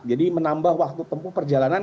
jadi menambah waktu tempuh perjalanan